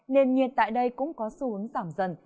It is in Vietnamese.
nền nhiệt tại đây cũng có xu hướng giảm dần